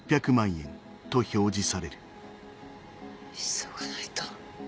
急がないと。